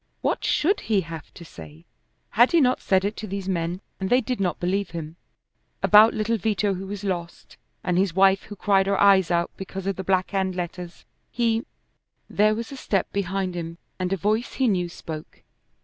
What should he have to say? Had he not said it to these men and they did not believe him? About little Vito who was lost, and his wife who cried her eyes out because of the Black Hand letters. He There was a step behind him, and a voice he knew spoke.